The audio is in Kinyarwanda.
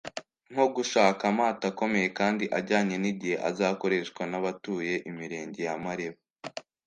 nko gushaka amato akomeye kandi ajyanye n’igihe azakoreshwa n’abatuye imirenge ya Mareba